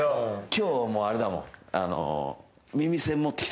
今日あれだもん。